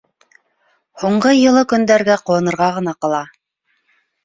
Һуңғы йылы көндәргә ҡыуанырға ғына ҡала.